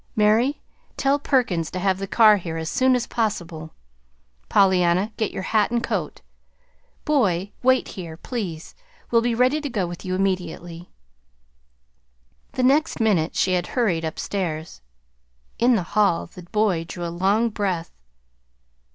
"Mary, tell Perkins to have the car here as soon as possible. Pollyanna, get your hat and coat. Boy, wait here, please. We'll be ready to go with you immediately." The next minute she had hurried up stairs. In the hall the boy drew a long breath.